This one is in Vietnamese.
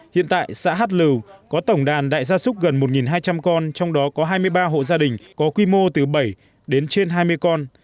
hiện tại xã hát lưu có tổng đàn đại gia súc gần một hai trăm linh con trong đó có hai mươi ba hộ gia đình có quy mô từ bảy đến trên hai mươi con